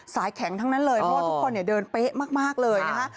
แข็งทั้งนั้นเลยเพราะว่าทุกคนเดินเป๊ะมากเลยนะคะ